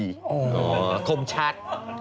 โอ้โหคมชัด